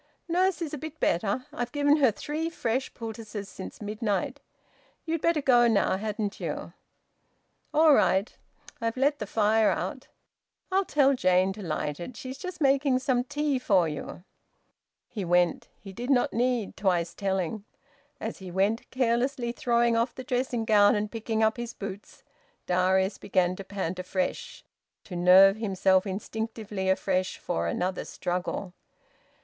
"Nurse is a bit better. I've given her three fresh poultices since midnight. You'd better go now, hadn't you?" "All right. I've let the fire out." "I'll tell Jane to light it. She's just making some tea for you." He went. He did not need twice telling. As he went, carelessly throwing off the dressing gown and picking up his boots, Darius began to pant afresh, to nerve himself instinctively afresh for another struggle.